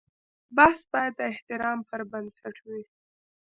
بحث باید د احترام پر بنسټ وي.